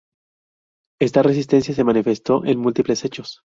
Esta resistencia se manifestó en múltiples hechos.